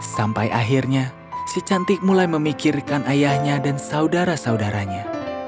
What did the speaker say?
sampai akhirnya si cantik mulai memikirkan ayahnya dan saudara saudaranya